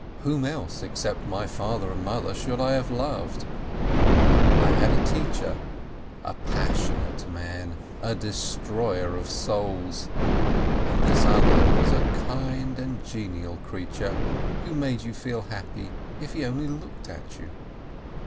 Whom else, except my father and mother, should I have loved? I had a teacher, a passionate man, a destroyer of souls, and this other was a kind and genial creature, who made you feel happy if he only looked at you.